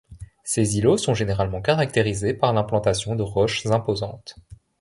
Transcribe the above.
Ces îlots sont généralement caractérisés par l'implantation de roches imposantes.